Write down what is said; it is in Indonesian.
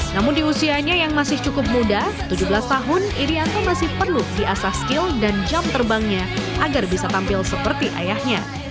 namun di usianya yang masih cukup muda tujuh belas tahun irianto masih perlu diasah skill dan jam terbangnya agar bisa tampil seperti ayahnya